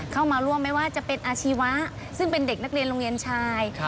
เข้ามาร่วมไม่ว่าจะเป็นอาชีวะซึ่งเป็นเด็กนักเรียนโรงเรียนชาย